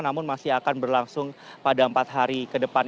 namun masih akan berlangsung pada empat hari ke depan